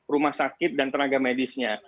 rumah sakit dan tenaga medisnya